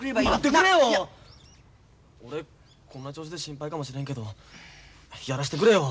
俺こんな調子で心配かもしれんけどやらせてくれよ。